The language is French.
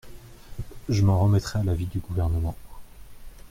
Je m’en remettrai à l’avis du Gouvernement.